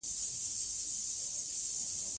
موږ داسې لیکوالانو ته درناوی کوو.